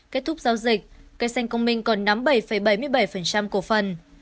kết thúc giao dịch cây xanh công minh còn nắm bảy bảy mươi bảy cổ phần